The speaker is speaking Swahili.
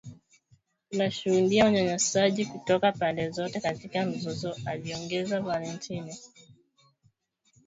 Tunashuhudia unyanyasaji kutoka pande zote katika mzozo aliongeza Valentine